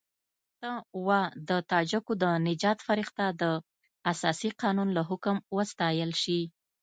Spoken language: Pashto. ته وا د تاجکو د نجات فرښته د اساسي قانون له حکم وستایل شي.